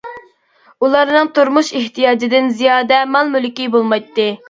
ئۇلارنىڭ تۇرمۇش ئېھتىياجىدىن زىيادە مال-مۈلكى بولمايتتى.